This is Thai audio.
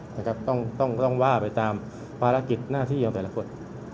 นะครับต้องต้องว่าไปตามภารกิจหน้าที่ของแต่ละคน